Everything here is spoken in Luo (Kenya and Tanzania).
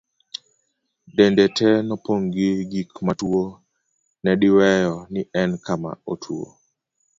dende te nopong' gi gik motuwo nediweyo ni en kama otwo